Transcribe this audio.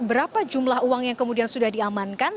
berapa jumlah uang yang kemudian sudah diamankan